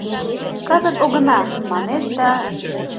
«Кызыт огына» манеш да...